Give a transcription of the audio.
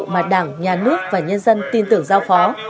mà đảng nhà nước và nhân dân tin tưởng giao phó